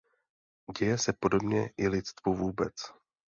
Děje se podobně i lidstvu vůbec!